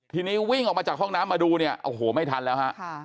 ทีนี้วิ่งออกมาจากห้องน้ำมาดูเนี่ยโอ้โหไม่ทันแล้วฮะ